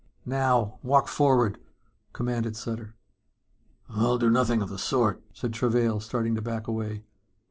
"Now walk forward," commanded Sutter. "I'll do nothing of the sort," said Travail, starting to back away.